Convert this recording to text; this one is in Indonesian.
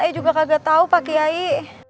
ayah juga kagak tau pak kiai